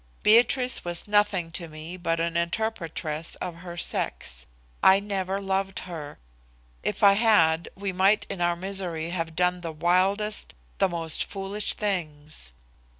Beatrice was nothing to me but an interpretress of her sex. I never loved her. If I had, we might in our misery have done the wildest, the most foolish things.